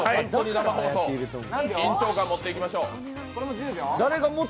生放送緊張感持っていきましょう。